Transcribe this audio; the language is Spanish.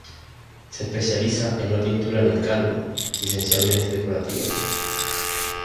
Se especializa en una pintura de encargo y esencialmente decorativa.